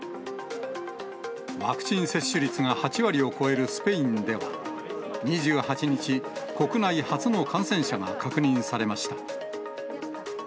ワクチン接種率が８割を超えるスペインでは、２８にち、国内初の感染者が確認されました。